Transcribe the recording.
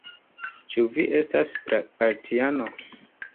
Ĉu vi estas partiano?